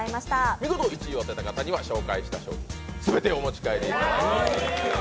見事１位を当てた方には紹介した商品、全てお持ち帰りいただきます。